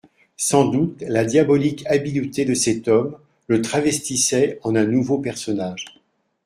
Sans doute, la diabolique habileté de cet homme le travestissait en un nouveau personnage.